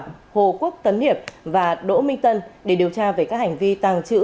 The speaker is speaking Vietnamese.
trần thanh toàn hồ quốc tấn hiệp và đỗ minh tân để điều tra về các hành vi tàng trữ